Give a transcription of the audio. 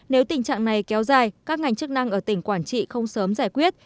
nếu tình trạng này kéo dài các ngành chức năng ở tỉnh quảng trị không sớm giải quyết